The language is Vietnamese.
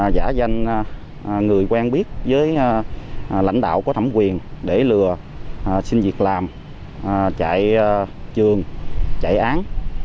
giả danh người quen biết với lãnh đạo có thẩm quyền để lừa xin việc làm chạy trường chạy án